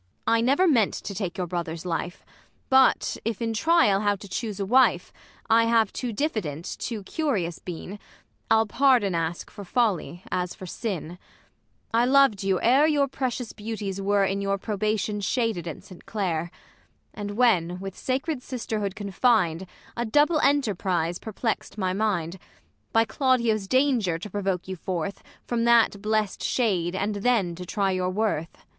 I never meant to take your brother's life ; But, if in trial how to chuse a wife, I have too diffident, too curious been, I'll pardon ask for folly, as for sin ; I loved you ere your precious beauties were In your probation shaded at Saint Clare : And, when with sacred sisterhood confin'd, A double enterprise perplext my mind ; By Claudio's danger to provoke you forth From that blest shade, and then to try your worth, ISAB.